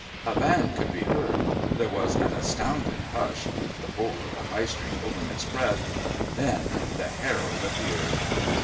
A band could be heard, there was an astounded hush (the whole of the High Street holding its breath), then the herald appeared.